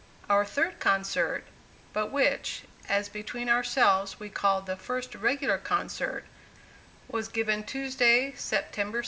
Our third concert, but which, as between ourselves, we called the "first regular concert," was given Tuesday September 17, 1850.